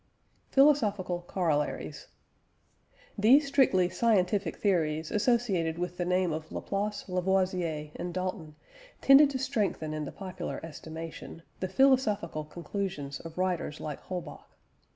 PHILOSOPHICAL COROLLARIES. These strictly scientific theories associated with the name of Laplace, Lavoisier, and Dalton tended to strengthen in the popular estimation, the philosophical conclusions of writers like Holbach.